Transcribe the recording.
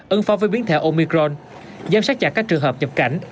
ứng phó với biến thể omicron giám sát chặt các trường hợp nhập cảnh